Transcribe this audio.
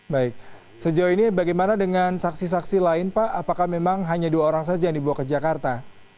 baik sejauh ini bagaimana dengan saksi saksi lain pak apakah memang hanya dua orang saja yang dibawa ke jakarta